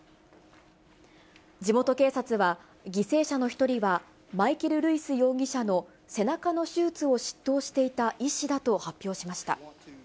地元警察は、犠牲者の１人はマイケル・ルイス容疑者の背中の手術を執刀していた医師だと発表しました。